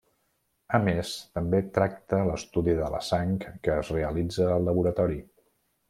A més, també tracta l'estudi de la sang que es realitza al laboratori.